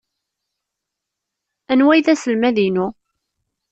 Anwa ay d aselmad-inu?